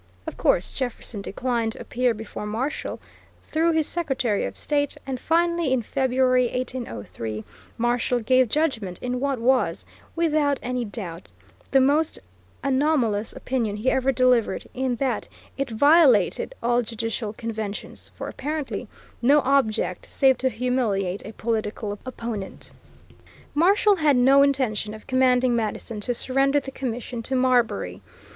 Of course Jefferson declined to appear before Marshall, through his Secretary of State, and finally, in February, 1803, Marshall gave judgment, in what was, without any doubt, the most anomalous opinion he ever delivered, in that it violated all judicial conventions, for, apparently, no object, save to humiliate a political opponent. Marshall had no intention of commanding Madison to surrender the commission to Marbury.